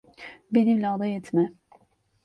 Benimle alay etme.